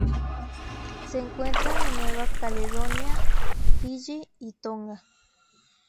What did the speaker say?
Se encuentran en Nueva Caledonia, Fiyi y Tonga.